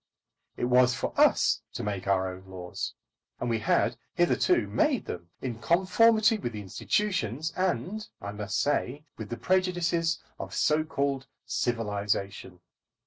It was for us to make our own laws, and we had hitherto made them in conformity with the institutions, and, I must say, with the prejudices of so called civilisation.